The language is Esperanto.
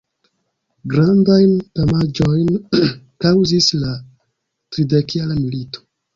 Grandajn damaĝojn kaŭzis la Tridekjara milito.